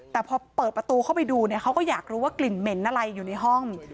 แต่พอเปิดประตูเข้าไปดูเนี่ยเขาก็อยากรู้ว่ากลิ่นเหม็นอะไรอยู่ในห้อง